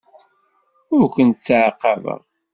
Ur kent-ttɛaqabeɣ.